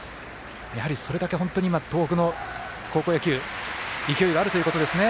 やはり、それだけ東北の高校野球勢いがあるということですね。